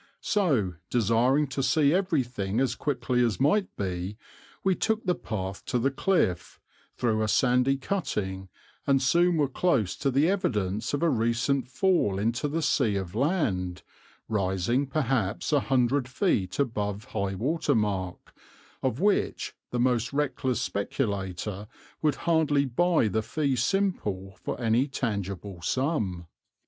So desiring to see everything as quickly as might be, we took the path to the cliff, through a sandy cutting, and soon were close to the evidence of a recent fall into the sea of land, rising perhaps a hundred feet above high water mark, of which the most reckless speculator would hardly buy the fee simple for any tangible sum.